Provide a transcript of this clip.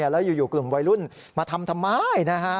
แล้วอยู่กลุ่มวัยรุ่นมาทำทำไม